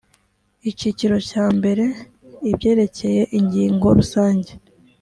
icyiciro cya mbere ibyerekeye ingingo rusange